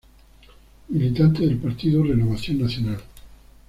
Militante del partido Renovación Nacional.